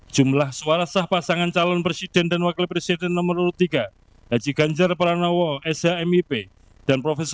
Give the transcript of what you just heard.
jumlah suara sah pasangan calon presiden dan wakil presiden nomor urut tiga haji ganjar paranowo shmip dan prof